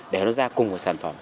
để nó ra cùng một sản phẩm